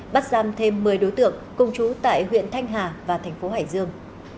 bắt giam thêm một mươi đối tượng công chú tại huyện thanh hà và thành phố hải dương